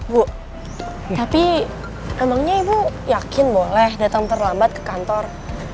bu tapi emangnya ibu yakin boleh datang terlambat ke kantor